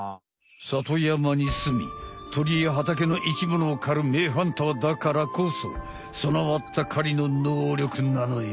さとやまにすみとりやはたけの生きものを狩るめいハンターだからこそそなわった狩りの能力なのよ。